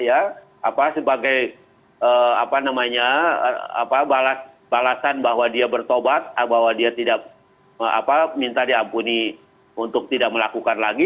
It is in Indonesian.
apa sebagai apa namanya apa balasan bahwa dia bertobat bahwa dia tidak apa minta diampuni untuk tidak melakukan lagi